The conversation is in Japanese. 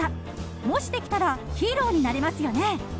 もし、できたらヒーローになれますよね。